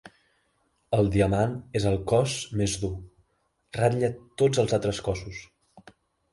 El diamant és el cos més dur: ratlla tots els altres cossos.